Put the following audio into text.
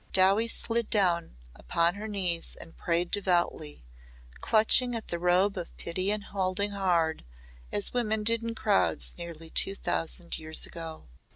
Dowie slid down upon her knees and prayed devoutly clutching at the robe of pity and holding hard as women did in crowds nearly two thousand years ago.